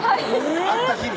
会った日に？